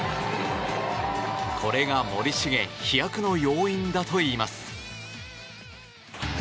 これが森重飛躍の要因だといいます。